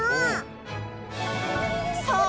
そう！